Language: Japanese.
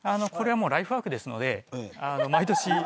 これはもうライフワークですので毎年。